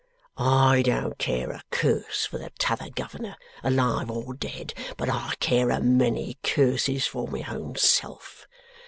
I don't care a curse for the T'other governor, alive or dead, but I care a many curses for my own self.